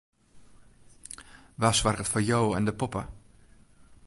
Wa soarget foar jo en de poppe?